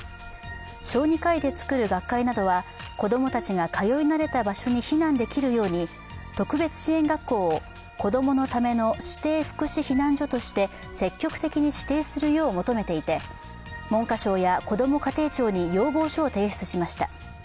小児科医で作る学会などは子供たちが通い慣れた場所に避難できるように特別支援学校を子供のための指定福祉避難所として積極的に指定するよう求めていて文科省やこども家庭庁に要望書を提出しました。